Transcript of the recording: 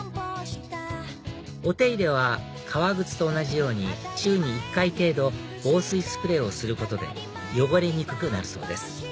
お手入れは革靴と同じように週に１回程度防水スプレーをすることで汚れにくくなるそうです